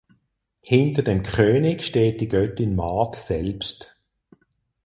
Hinter dem König steht die Göttin Maat selbst.